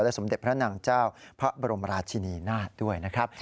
สมเด็จพระนางเจ้าพระบรมราชินีนาฏด้วยนะครับ